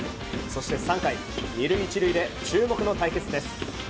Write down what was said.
そして３回２塁１塁で注目の対決です。